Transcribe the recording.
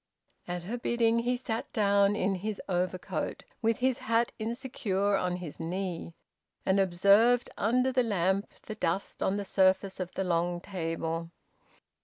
At her bidding he sat down, in his overcoat, with his hat insecure on his knee, and observed, under the lamp, the dust on the surface of the long table.